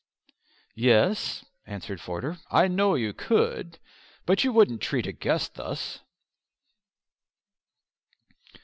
"Yes," answered Forder, "I know you could. But you wouldn't treat a guest thus."